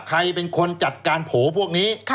ใครเป็นคนจัดการโผล่พวกนี้